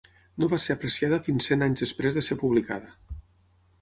No va ser apreciada fins cent anys després de ser publicada.